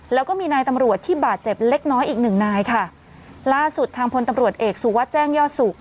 แล้วก็มีนายตำรวจที่บาดเจ็บเล็กน้อยอีกหนึ่งนายค่ะล่าสุดทางพลตำรวจเอกสุวัสดิ์แจ้งยอดสุข